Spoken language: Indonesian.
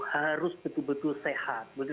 harus betul betul sehat